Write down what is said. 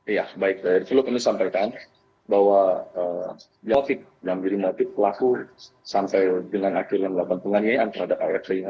ya baik saya belum bisa menyampaikan bahwa biotip dan biremotip berlaku sampai dengan akhirnya melakukan penganiayaan terhadap art